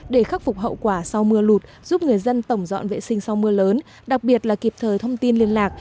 để khắc phục hậu quả sau mưa lụt giúp người dân tổng dọn vệ sinh sau mưa lớn đặc biệt là kịp thời thông tin liên lạc